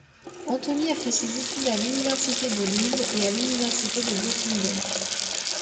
Antoni a fait ses études à l'Université de Lviv et à l'Université de Göttingen.